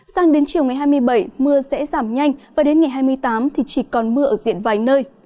sang đến chiều ngày hai mươi bảy mưa sẽ giảm nhanh và đến ngày hai mươi tám thì chỉ còn mưa ở diện vài nơi